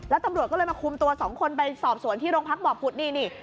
แล้วตำรวจก็เลยมาคุมตัวสองคนไปสอบสวนที่โรงพักบ่อผุดนี่นี่